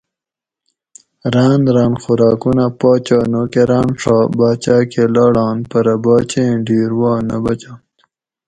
راۤن راۤن خوراکونہ پاچا نوکراۤن ڛا باۤچاۤ کہ لاڑان پرہ باچیں ڈیر وا نہ بچنت